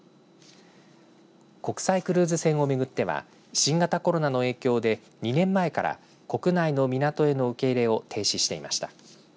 国際クルーズ船を巡っては新型コロナの影響で２年前から国内の港への受け入れを停止していました。